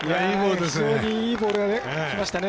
非常にいいボールがきましたね。